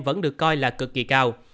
vẫn được coi là cực kỳ cao